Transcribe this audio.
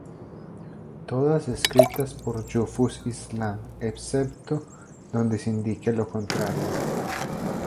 Todas escritas por Yusuf Islam, excepto donde se indique lo contrario.